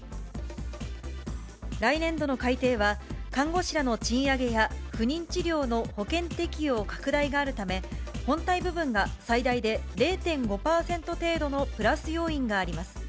来年度の改定は、看護師らの賃上げや不妊治療の保険適用拡大があるため、本体部分が最大で０．５％程度のプラス要因があります。